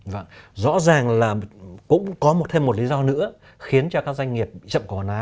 vâng rõ ràng là cũng có thêm một lý do nữa khiến cho các doanh nghiệp chậm cỏ hóa